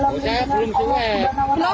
udah belum set